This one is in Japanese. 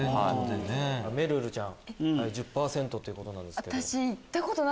めるるちゃん１０％ということですけど。